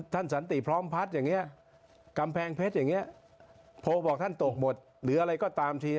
สันติพร้อมพัฒน์อย่างนี้กำแพงเพชรอย่างนี้โทรบอกท่านตกหมดหรืออะไรก็ตามที